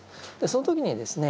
その時にですね